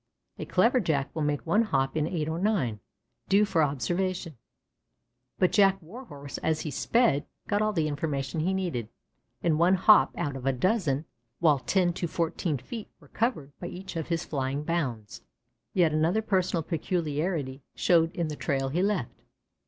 A clever Jack will make one hop in eight or nine, do for observation. But Jack Warhorse as he sped, got all the information he needed, in one hop out of a dozen, while ten to fourteen feet were covered by each of his flying bounds. Yet another personal peculiarity showed in the trail he left.